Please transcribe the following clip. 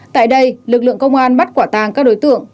tại đây lực lượng công an bắt quả tàng các đối tượng